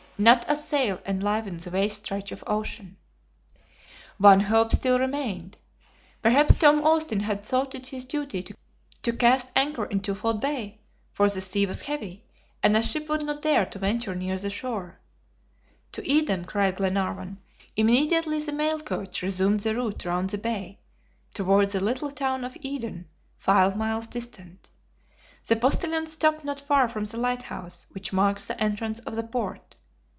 Not a sail enlivened the vast stretch of ocean. One hope still remained. Perhaps Tom Austin had thought it his duty to cast anchor in Twofold Bay, for the sea was heavy, and a ship would not dare to venture near the shore. "To Eden!" cried Glenarvan. Immediately the mail coach resumed the route round the bay, toward the little town of Eden, five miles distant. The postilions stopped not far from the lighthouse, which marks the entrance of the port.